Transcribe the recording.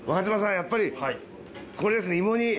やっぱりこれですね芋煮。